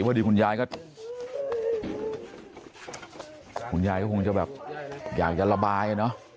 พอดีคุณยายก็คุณยายก็คงจะแบบอยากจะระบายอ่ะเนอะ